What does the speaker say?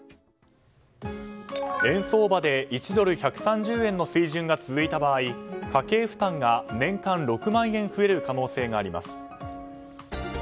円相場で１ドル＝１３０円の水準が続いた場合家計負担が年間６万円増える可能性があります。